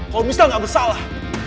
kalo michelle ga bersalah